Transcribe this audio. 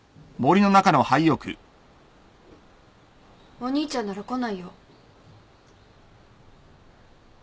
お兄ちゃんなら来ないよ。